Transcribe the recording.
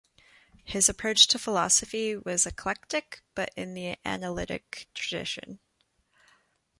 His approach to philosophy was eclectic but in the analytic tradition.